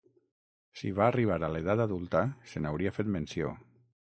Si va arribar a l'edat adulta, se n'hauria fet menció.